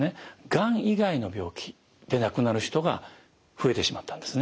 がん以外の病気で亡くなる人が増えてしまったんですね。